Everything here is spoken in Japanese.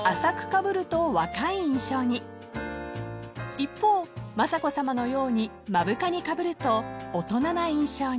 ［一方雅子さまのように目深にかぶると大人な印象に］